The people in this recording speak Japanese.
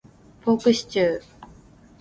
ポークシチュー